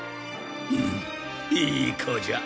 ふむいい子じゃ。